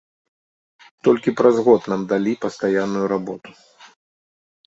Толькі праз год нам далі пастаянную работу.